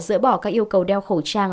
dỡ bỏ các yêu cầu đeo khẩu trang